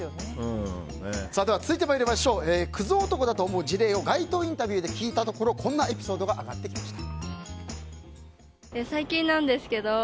続いて、クズ男だと思う事例を街頭インタビューで聞いたところこんなエピソードが挙がってきました。